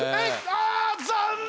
あ残念！